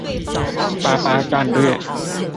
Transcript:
八八戰略